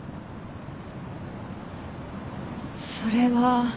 それは。